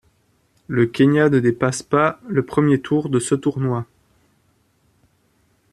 Le Kenya ne dépasse pas le premier tour de ce tournoi.